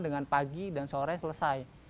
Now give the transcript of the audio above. dengan pagi dan sore selesai